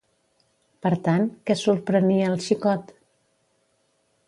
Per tant, què sorprenia el xicot?